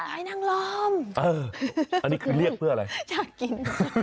ให้นางลอมอันนี้คือเรียกเพื่ออะไรอยากกิน